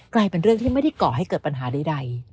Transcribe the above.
กลายเป็นเรื่องที่ไม่ได้ก่อให้เกิดปัญหาใด